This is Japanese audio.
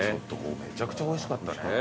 めちゃくちゃおいしかったね。